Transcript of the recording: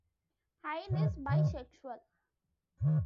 Hine is bisexual.